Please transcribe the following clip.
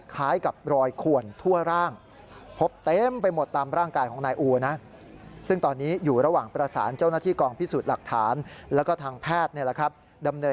คล้ายกับรอยขวนทั่วร่างพบเต็มไปหมด